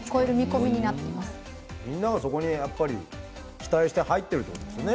みんなが、そこに期待して入ってくるということですね。